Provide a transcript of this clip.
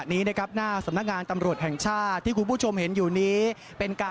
ที่จะรายงานต่อจากผมไปนะครับ